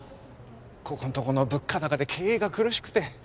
ここんとこの物価高で経営が苦しくて。